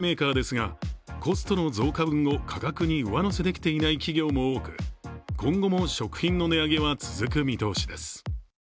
値上げを続ける食品メーカーですが、コストの増加分を価格に上乗せできていない企業も多く、今後も食品の値上げは続く見通しです。